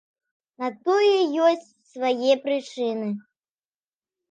На тое ёсць свае прычыны.